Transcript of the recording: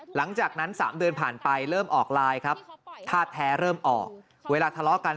หลังจากนั้น๓เดือนผ่านไปเริ่มออกไลน์ครับท่าแท้เริ่มออกเวลาทะเลาะกัน